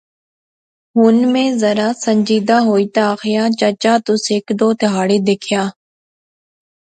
ہن میں ذرا سنجیدہ ہوئی تہ آخیا، چچا۔۔۔ تس ہیک دو تہاڑے دیکھا